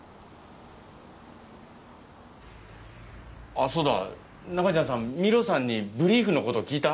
あっそうだナカちゃんさんミロさんにブリーフのこと聞いた？